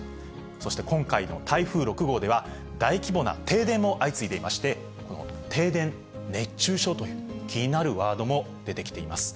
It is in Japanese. そして今回の台風６号では、大規模な停電も相次いでいまして、停電熱中症という気になるワードも出てきています。